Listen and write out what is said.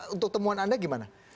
untuk temuan anda gimana